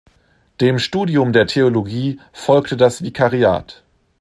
Dem Studium der Theologie folgte das Vikariat.